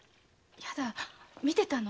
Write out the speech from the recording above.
やだ見てたの。